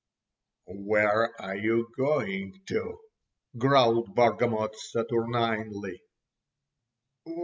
"Where are you going to?" growled Bargamot saturninely.